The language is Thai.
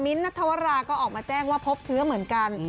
นัทธวราก็ออกมาแจ้งว่าพบเชื้อเหมือนกัน